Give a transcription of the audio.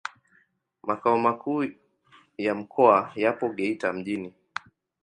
Makao makuu ya mkoa yapo Geita mjini.